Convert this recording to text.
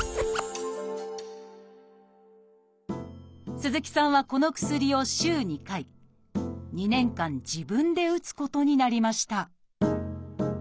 鈴木さんはこの薬を週２回２年間自分で打つことになりました